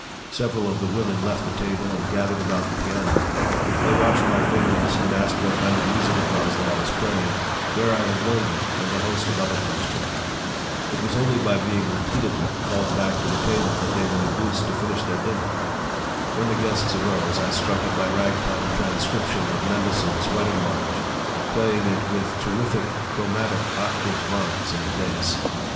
Several of the women left the table and gathered about the piano. They watched my fingers and asked what kind of music it was that I was playing, where I had learned it, and a host of other questions. It was only by being repeatedly called back to the table that they were induced to finish their dinner. When the guests arose, I struck up my ragtime transcription of Mendelssohn's "Wedding March," playing it with terrific chromatic octave runs in the bass.